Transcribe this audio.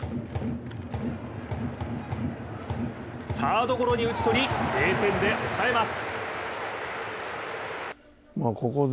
サードゴロに打ち取り０点で抑えます。